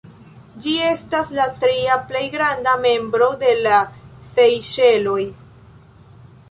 Ĝi estas la tria plej granda membro de la Sejŝeloj.